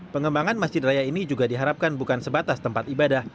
pengembangan masjid raya ini juga diharapkan bukan sebatas tempat ibadah